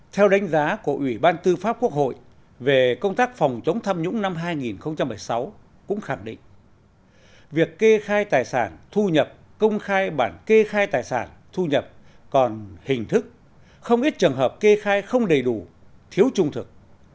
theo đánh giá của ủy ban tư pháp quốc hội về công tác phòng chống tham nhũng năm hai nghìn một mươi sáu cũng khẳng định việc kê khai tài sản thu nhập công khai bản kê khai tài sản thu nhập còn hình thức không ít trường hợp kê khai không đầy đủ thiếu trung thực